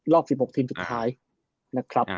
รอบ๑๖ทีมสุดท้ายนะครับ